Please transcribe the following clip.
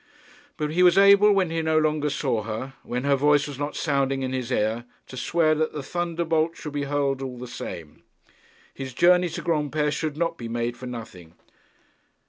But he was able, when he no longer saw her, when her voice was not sounding in his ear, to swear that the thunderbolt should be hurled all the same. His journey to Granpere should not be made for nothing.